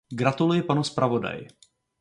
Gratuluji panu zpravodaji.